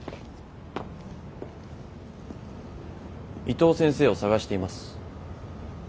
伊藤先生を捜しています。